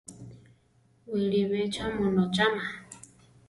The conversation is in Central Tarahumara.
Wiʼlibé cha mu nocháma?